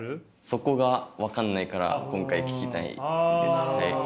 そこが分かんないから今回聞きたいんです。